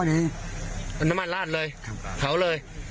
ส่วนของชีวาหาย